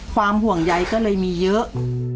ความห่วงใยก็เลยมีเยอะ